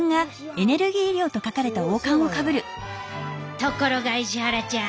ところが石原ちゃん。